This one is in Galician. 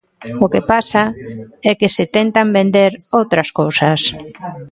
O que pasa é que se tentan vender outras cousas.